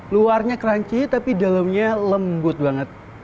luarnya crunchy tapi dalamnya lembut banget